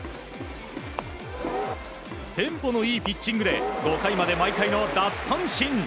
テンポのいいピッチングで５回まで毎回の奪三振。